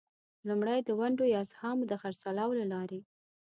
لومړی: د ونډو یا اسهامو د خرڅلاو له لارې.